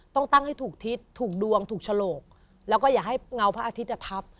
ต้องตั้งให้ถูกทิศถูกดวงถูกฉลกแล้วก็อย่าให้เงาพระอาทิตย์ทับ